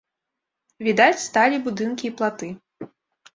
Відаць сталі будынкі і платы.